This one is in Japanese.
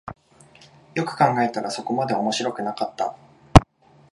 よく考えたらそこまで面白くなかった